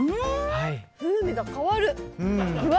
風味が変わる！